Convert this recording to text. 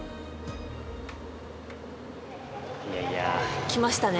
いやいや。来ましたね。